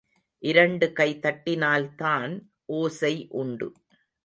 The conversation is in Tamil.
இரண்டு கை தட்டினால்தான் ஓசை உண்டு.